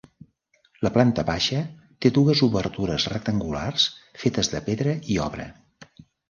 La planta baixa té dues obertures rectangulars, fetes de pedra i obra.